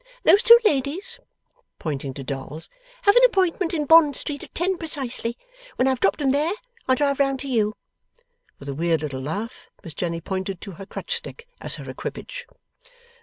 Those two ladies,' pointing to dolls, 'have an appointment in Bond Street at ten precisely. When I've dropped 'em there, I'll drive round to you.' With a weird little laugh, Miss Jenny pointed to her crutch stick as her equipage.